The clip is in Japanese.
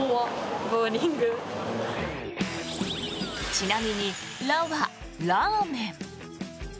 ちなみに「ら？」はラーメン。